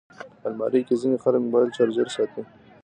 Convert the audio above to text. الماري کې ځینې خلک موبایل چارجر ساتي